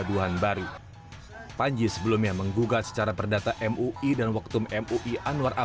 dan indonesia ini tidak berdasar fatwa